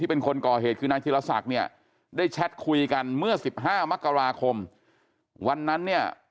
เป็นคนก่อเหตุคือนายธิรศักดิ์เนี่ยได้แชทคุยกันเมื่อ๑๕มกราคมวันนั้นเนี่ย